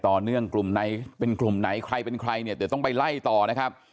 เรื่องกลุ่มไหนเป็นกลุ่มไหนใครเป็นใครเนี่ยเดี๋ยวต้องไปไล่ต่อนะครับ